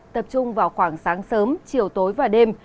tập trung vào khoảng sáng sớm chiều tối và đêm